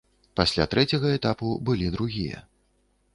Пасля трэцяга этапу былі другія.